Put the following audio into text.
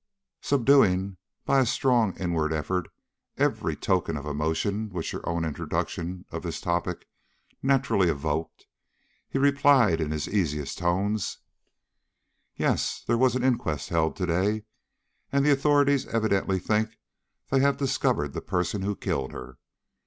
Subduing, by a strong inward effort, every token of the emotion which her own introduction of this topic naturally evoked, he replied in his easiest tones: "Yes; there was an inquest held to day, and the authorities evidently think they have discovered the person who killed her."